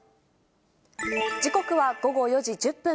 時刻は午後４時１０分。